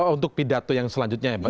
untuk pidato yang selanjutnya ya pak